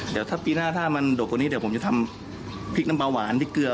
เดี๋ยวถ้าปีหน้าถ้ามันดบกว่านี้เดี๋ยวผมจะทำพริกน้ำปลาหวานพริกเกลือ